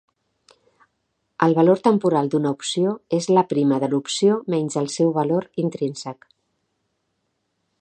El valor temporal d'una opció és la prima de l'opció menys el seu valor intrínsec.